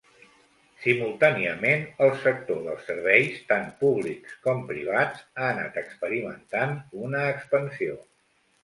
Simultàniament, el sector dels serveis, tant públics com privats, ha anat experimentant una expansió.